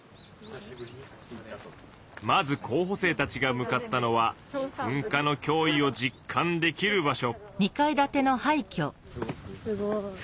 まず候補生たちが向かったのは噴火の脅威を実感できる場所。